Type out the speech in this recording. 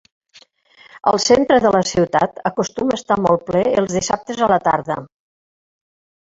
El centre de la ciutat acostuma a estar molt ple els dissabtes a la tarda